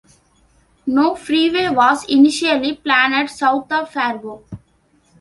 No freeway was initially planned south of Fargo.